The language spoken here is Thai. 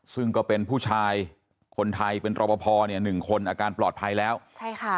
ซึ่งก็เป็นผู้ชายคนไทยเป็นรอปภเนี่ยหนึ่งคนอาการปลอดภัยแล้วใช่ค่ะ